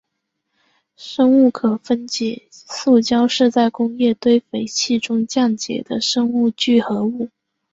生物可分解塑胶是在工业堆肥器中降解的生物聚合物。